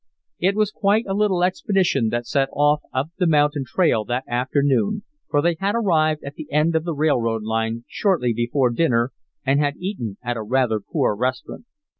It was quite a little expedition that set off up the mountain trail that afternoon, for they had arrived at the end of the railroad line shortly before dinner, and had eaten at a rather poor restaurant.